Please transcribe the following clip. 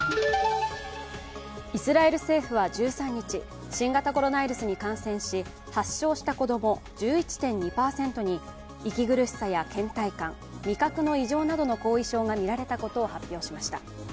イスラエル政府は１３日、新型コロナウイルスに感染し、発症した子供１１．２％に息苦しさやけん怠感、味覚の異常などの後遺症がみられたことを発表しました。